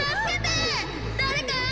誰か！